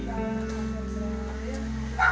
ya biar dia sudah pandai